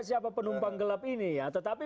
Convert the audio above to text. siapa penumpang gelap ini ya tetapi